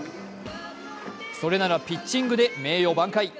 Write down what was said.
それならピッチングで名誉挽回！